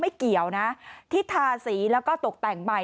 เกี่ยวนะที่ทาสีแล้วก็ตกแต่งใหม่